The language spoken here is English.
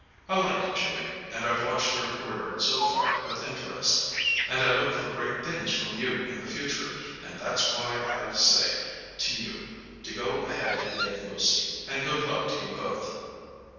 I like you, Jimmy, and I've watched your career so far with interest, and I look for great things from you in the future, and that's why I say to you to go ahead and get Lucy, and good luck to you both."